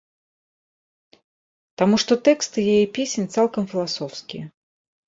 Таму што тэксты яе песень цалкам філасофскія.